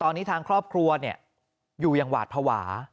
ตอนนี้ทางครอบครัวอยู่อย่างหวาดภาวะ